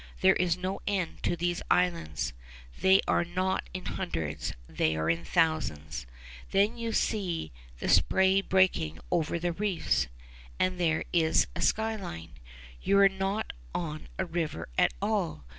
There is no end to these islands. They are not in hundreds; they are in thousands. Then you see the spray breaking over the reefs, and there is its sky line. You are not on a river at all.